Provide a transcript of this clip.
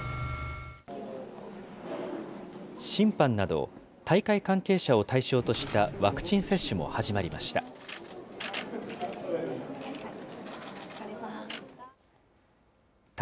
審判など、大会関係者を対象としたワクチン接種も始まりました。